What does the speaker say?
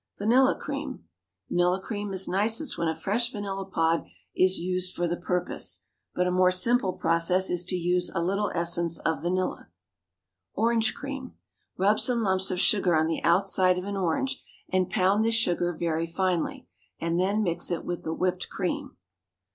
VANILLA CREAM. Vanilla cream is nicest when a fresh vanilla pod is used for the purpose, but a more simple process is to use a little essence of vanilla. ORANGE CREAM. Rub some lumps of sugar on the outside of an orange, and pound this sugar very finely, and then mix it with the whipped cream.